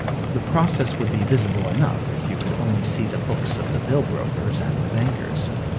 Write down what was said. The process would be visible enough if you could only see the books of the bill brokers and the bankers.